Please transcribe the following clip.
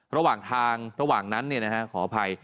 ระหว่างทางระหว่างนั้นเนี่ยนะฮะขออภัย